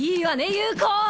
優子！